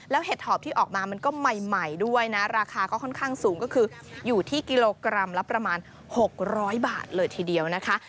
เห็ดหอบที่ออกมามันก็ใหม่ด้วยนะราคาก็ค่อนข้างสูงก็คืออยู่ที่กิโลกรัมละประมาณ๖๐๐บาทเลยทีเดียวนะคะ